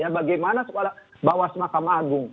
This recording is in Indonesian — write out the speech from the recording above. bagaimana seorang bawah semakam agung